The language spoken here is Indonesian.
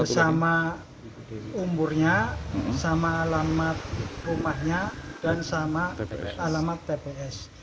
sama umurnya sama alamat rumahnya dan sama alamat tps